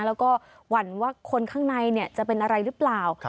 แล้วก็หวั่นว่าคนข้างในจะเป็นอะไรหรือเปล่า